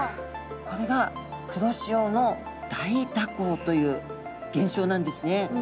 これが黒潮の大蛇行という現象なんですね。